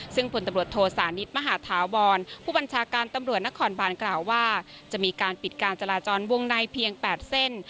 ซึ่งผลตำรวจโทสานิทมหาธาวรผู้บัญชาการตำรวจนครบานกล่าวว่าจะมีการปิดการจราจรวงในเพียง๘เส้น